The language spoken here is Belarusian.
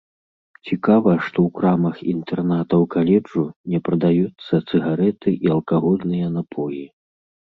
Цікава, што ў крамах інтэрнатаў каледжу не прадаюцца цыгарэты і алкагольныя напоі.